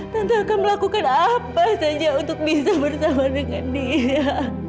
tentu akan melakukan apa saja untuk bisa bersama dengan dia